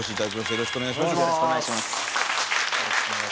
よろしくお願いします。